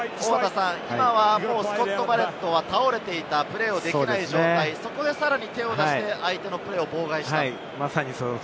スコット・バレットは倒れていた、プレーできない状態、そこでさらに、手を出して相手のプレーを妨害した。